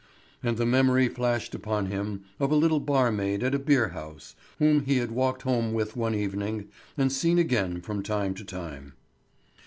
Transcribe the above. And the memory flashed upon him of a little barmaid at a beer house, whom he had walked home with one evening, and seen again from time to time.